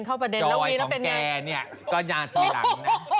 จอยของแกเนี่ยก็ยังมาที่หลังนะ